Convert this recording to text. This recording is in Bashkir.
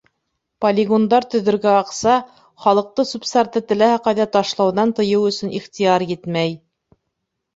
Полигондар төҙөргә аҡса, халыҡты сүп-сарҙы теләһә ҡайҙа ташлауҙан тыйыу өсөн ихтыяр етмәй.